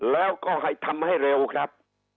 แล้วก็ให้ทำให้เร็วครับ